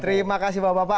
terima kasih bapak bapak